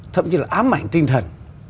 thậm chí là ám ảnh tinh thần